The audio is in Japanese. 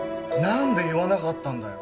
何で言わなかったんだよ